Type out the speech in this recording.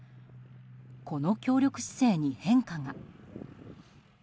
この協力姿勢に変化が。